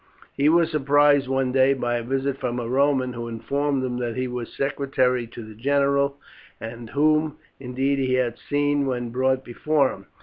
He was surprised one day by a visit from a Roman, who informed him that he was secretary to the general, and whom, indeed, he had seen when brought before him.